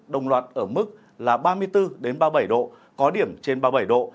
đồng loạt ở mức là ba mươi bốn ba mươi bảy độ có điểm trên ba mươi bảy độ